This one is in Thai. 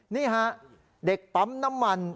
นี่ฮะเด็กปั๊มน้ำมัน